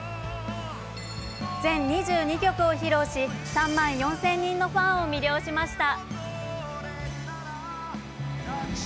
全２２曲を披露し、３万４０００人のファンを魅了しました。